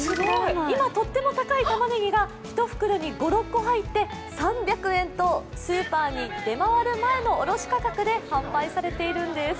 今とっても高いたまねぎが１袋に５６個入って３００円とスーパーに出回る前の卸価格で販売されているんです。